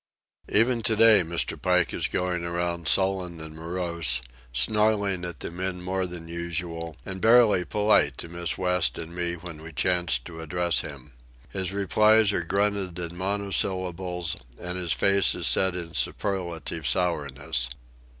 Even to day Mr. Pike is going around sullen and morose, snarling at the men more than usual, and barely polite to Miss West and me when we chance to address him. His replies are grunted in monosyllables, and his face is set in superlative sourness.